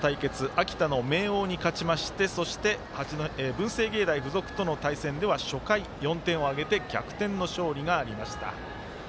秋田の明桜に勝ちましてそして文星芸大付属との対戦では初回４点を挙げて逆転の勝利がありました。